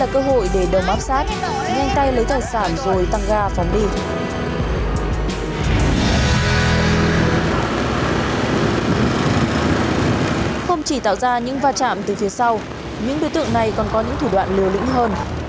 không chỉ tạo ra những va chạm từ phía sau những đối tượng này còn có những thủ đoạn liều lĩnh hơn